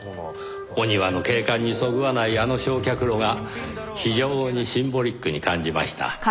お庭の景観にそぐわないあの焼却炉が非常にシンボリックに感じました。